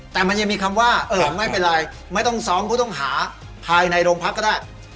แต่มันยังมีคำว่าเออไม่เป็นไรไม่ต้องซ้อมผู้ต้องหาภายในโรงพักก็ได้